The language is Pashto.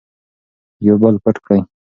یو بل پټ کړئ.